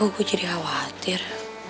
gue jadi khawatir